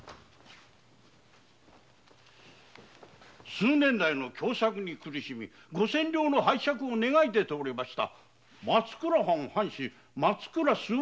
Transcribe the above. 数年来の凶作に苦しみ五千両の拝借を願い出ておりました松倉藩藩主松倉周防